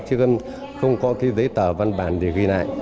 chứ vẫn không có cái giấy tờ văn bản để ghi lại